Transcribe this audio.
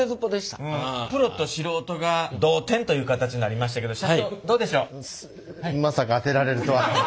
プロと素人が同点という形になりましたけど社長どうでしょう？